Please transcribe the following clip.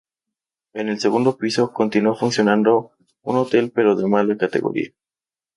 En el segundo piso, continúa funcionando un hotel pero de mala categoría.